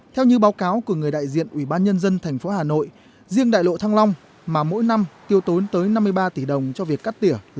theo như báo cáo của người đại diện ủy ban nhân dân thành phố hà nội